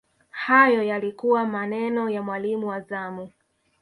hayo yalikuwa maneno ya mwalimu wa zamu